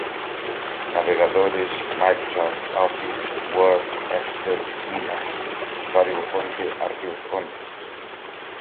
navegadores, microsoft office, word, excel, emacs, código-fonte, arquivos-fonte